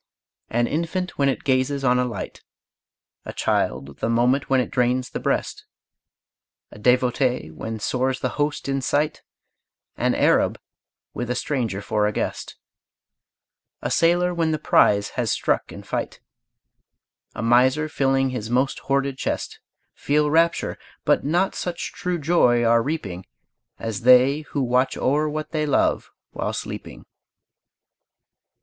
An infant when it gazes on a light, A child the moment when it drains the breast, A devotee when soars the Host in sight, An Arab with a stranger for a guest, A sailor when the prize has struck in fight, A miser filling his most hoarded chest, Feel rapture; but not such true joy are reaping As they who watch o'er what they love while sleeping.